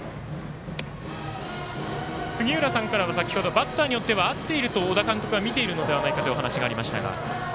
杉浦さんから先ほど、バッターによっては合っている小田監督は見ているんじゃないかというお話がありましたが。